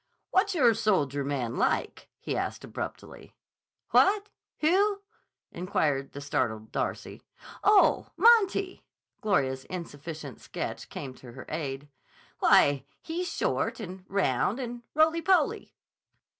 "What's your soldier man like?" he asked abruptly. "What? Who?" inquired the startled Darcy. "Oh, Monty!" Gloria's insufficient sketch came to her aid. "Why, he's short and round and roly poly."